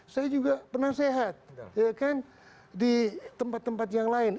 saya juga pernah sehat ya kan di tempat tempat yang lain